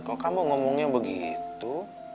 kok kamu ngomongnya begitu